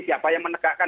siapa yang menegakkan